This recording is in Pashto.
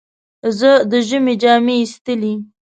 زه د ژمي جامې ایستلې.